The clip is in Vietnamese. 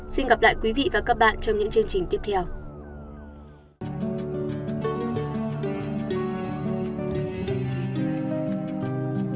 xin gặp lại quý vị và các bạn trong những chương trình tiếp theo